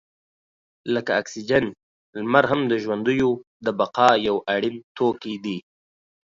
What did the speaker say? لکه اکسیجن، لمر هم د ژوندیو د بقا یو اړین توکی دی.